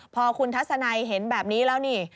พอคุณทัศนัยเห็นแบบนี้แล้วนี่